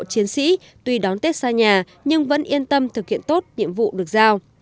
chiến sĩ tuy đón tết xa nhà nhưng vẫn yên tâm thực hiện tốt nhiệm vụ được giao